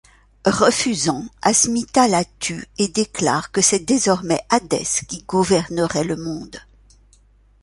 Refusant, Asmita la tue et déclare que c’est désormais Hadès qui gouvernerait le monde.